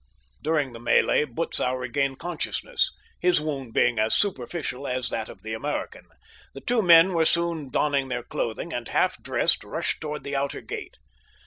During the melee Butzow regained consciousness; his wound being as superficial as that of the American, the two men were soon donning their clothing, and, half dressed, rushing toward the outer gate.